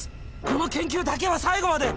この研究だけは最後まで。